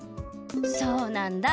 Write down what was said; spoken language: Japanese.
そうなんだ。